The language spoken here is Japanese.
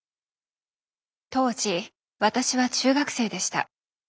当時私は中学生でした。